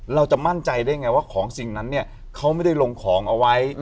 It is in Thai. เราจะมั่นใจได้ไงว่าของสิ่งนั้นเนี่ยเขาไม่ได้ลงของเอาไว้